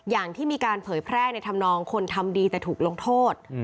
อย่างที่มีการเผยแพร่ในธรรมนองคนทำดีแต่ถูกลงโทษ